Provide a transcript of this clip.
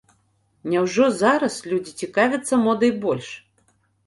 Няўжо зараз людзі цікавяцца модай больш?